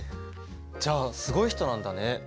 じゃあすごい人なんだね。